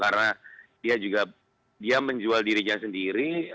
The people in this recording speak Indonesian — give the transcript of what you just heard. karena dia juga berusaha menjual dirinya sendiri